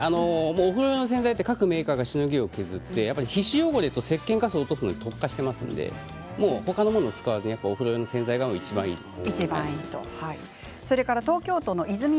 お風呂用の洗剤って各メーカーがしのぎを削って皮脂汚れとせっけん汚れを落とすのに特化していますので他のものを使わずにお風呂用の洗剤がいちばんいいです。